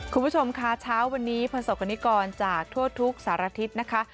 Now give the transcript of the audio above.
คุณผู้ชมค่ะเช้าวันนี้ประสบกรณิกรจากทั่วทุกสารทิศนะคะ